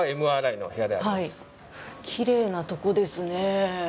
きれいなところですね。